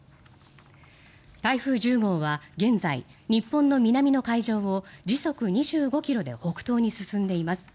台風１０号は現在日本の南の海上を時速２５ｋｍで北東に進んでいます。